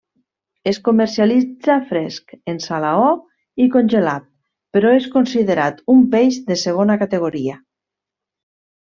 Es comercialitza fresc, en salaó i congelat, però és considerat un peix de segona categoria.